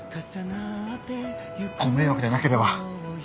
ご迷惑でなければ。